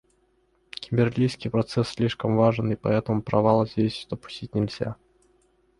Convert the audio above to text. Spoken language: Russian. Кимберлийский процесс слишком важен, и поэтому провала здесь допустить нельзя.